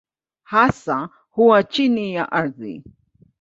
Hasa huwa chini ya ardhi.